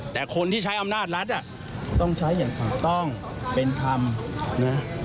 แต่คนที่ใช้อำนาจรัฐต้องใช้อย่างถูกต้องเป็นธรรมนะ